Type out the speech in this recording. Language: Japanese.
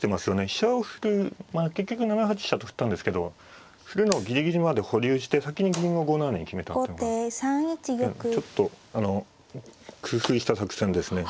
飛車を振る結局７八飛車と振ったんですけど振るのをぎりぎりまで保留して先に銀を５七に決めたっていうのがちょっと工夫した作戦ですね。